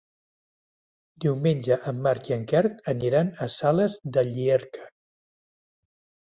Diumenge en Marc i en Quer aniran a Sales de Llierca.